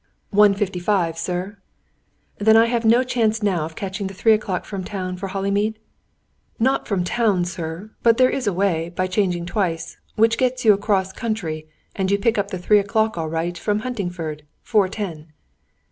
"One fifty five, sir." "Then I have no chance now of catching the three o'clock from town, for Hollymead?" "Not from town, sir. But there is a way, by changing twice, which gets you across country, and you pick up the three o'clock all right at Huntingford, four ten."